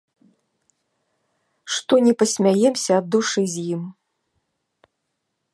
Што не пасмяемся ад душы з ім.